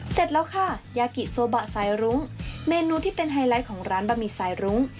เสร็จแล้วค่ะยากิโซบะสายรุ้งเมนูที่เป็นไฮไลท์ของร้านบะหมี่สายรุ้ง